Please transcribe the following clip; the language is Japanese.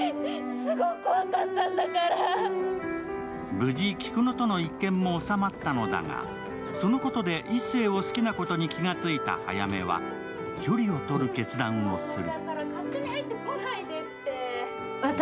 無事、菊乃との一件も収まったのだが、そのことで壱成を好きなことに気が付いた早梅は、距離をとる決断をする。